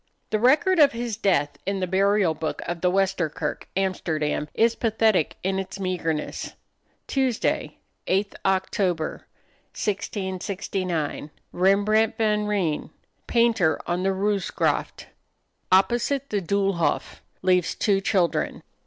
The record of his death in the Burial Book of the Wester Kirk, Amsterdam, is pathetic in its meagerness. "Tuesday, 8th Oct., 1669. Rembrandt van Rijn, painter on the Roozegraft, opposite the Doolhof. Leaves two children."